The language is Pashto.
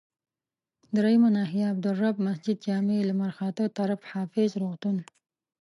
دریمه ناحيه، عبدالرب مسجدجامع لمرخاته طرف، حافظ روغتون.